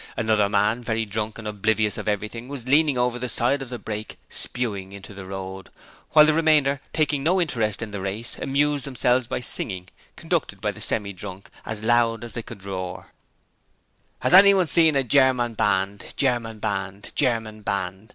Another man, very drunk and oblivious of everything, was leaning over the side of the brake, spewing into the road, while the remainder, taking no interest in the race, amused themselves by singing conducted by the Semi drunk as loud as they could roar: 'Has anyone seen a Germin band, Germin Band, Germin Band?